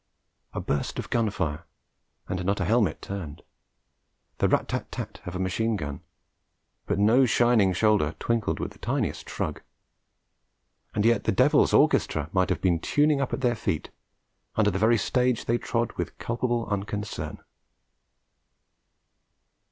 A burst of gun fire, and not a helmet turned; the rat tat tat of a machine gun, but no shining shoulder twinkled with the tiniest shrug. And yet the devil's orchestra might have been tuning up at their feet, under the very stage they trod with culpable unconcern.